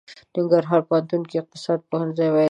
ننګرهار پوهنتون کې يې اقتصاد پوهنځی ويلی دی.